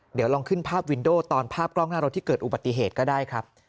เดี๋ยวลองขึ้นภาพวินโดตอนภาพกล้องหน้ารถที่เกิดอุบัติเหตุก็ได้ครับ